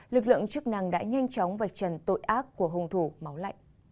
lực lượng chức năng đã nhanh chóng vạch trần tội ác của hung thủ máu lạnh